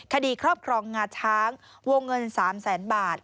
คดีครอบครองงาช้างวงเงิน๓แสนบาท